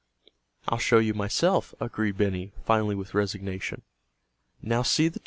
"I'll show you myself," agreed Benny finally with resignation. "Now see the 2?"